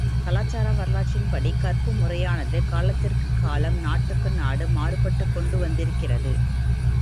கலாசார வரலாற்றின்படி, கற்பு முறையானது, காலத்திற்குக் காலம் நாட்டுக்கு நாடு மாறுபட்டுக்கொண்டு வந்திருக்கிறது.